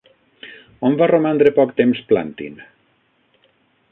On va romandre poc temps Plantin?